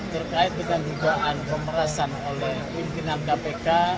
terkait dengan dugaan pemerasan oleh pimpinan kpk